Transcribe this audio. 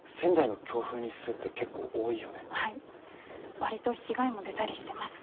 割と被害も出たりしてます。